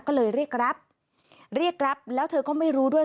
ก็เลยเรียกแกรปเรียกแกรปแล้วเธอก็ไม่รู้ด้วย